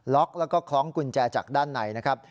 ล็อกแล้วก็คล้องกุญแจจากด้านในนะครับ